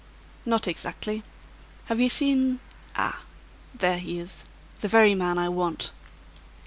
"Not exactly. Have you seen ah! there he is. The very man I want."